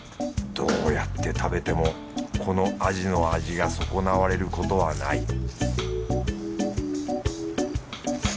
どうやって食べてもこのアジの味が損なわれることはない